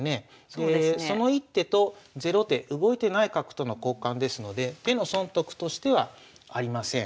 その１手と０手動いてない角との交換ですので手の損得としてはありません。